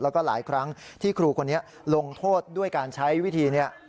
แล้วก็หลายครั้งที่ครูคนนี้ลงโทษด้วยการใช้วิธีนี้